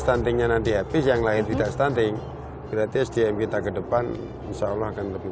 stuntingnya nanti habis yang lain tidak stunting berarti sdm kita ke depan insyaallah akan lebih